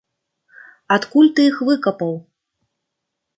Адкуль ты іх выкапаў?